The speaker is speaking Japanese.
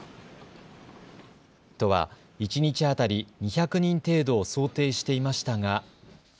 都は一日当たり２００人程度を想定していましたが。